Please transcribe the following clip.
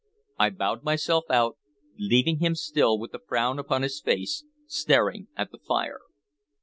I bowed myself out, leaving him still with the frown upon his face, staring at the fire.